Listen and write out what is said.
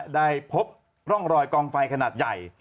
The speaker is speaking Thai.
ได้พบร่องรอยกองไฟขนาดใหญ่